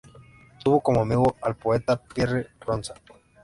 Tuvo como amigo al poeta Pierre de Ronsard.